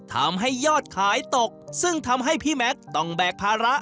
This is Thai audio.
ทำให้ยอดขายตกซึ่งทำให้พี่แม็กซ์ต้องแบกภาระ